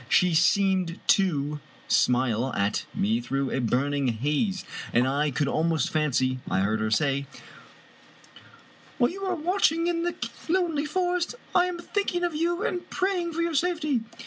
She seemed to me to smile at me through a burning haze, and I could almost fancy I heard her say, "While you are watching in the lonely forest, I am thinking of you and praying for your safety."